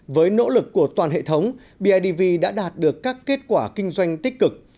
với nỗ lực của toàn hệ thống bidv đã đạt được các kết quả kinh doanh tích cực